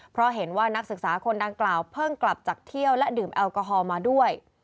เพราะเห็นว่านักศึกษาคนดังกล่าวเพิ่งกลับจากเที่ยวและดื่มแอลกอฮอล์มาด้วย